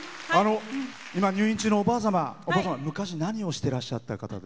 今、入院中のおばあ様は昔、何をしてらっしゃった方で？